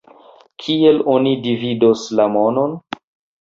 Kiel oni dividos la monon?